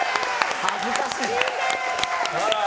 恥ずかしい。